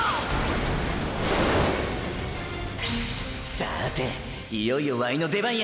さぁていよいよワイの出番や。